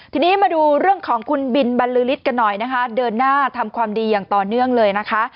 ทีนี้มาดูเรื่องของคุณบินบรรลือฤทธิ์กันหน่อยนะคะเดินหน้าทำความดีอย่างต่อเนื่องเลยนะคะ